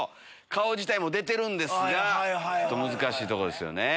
顔自体も出てるんですが難しいとこですよね。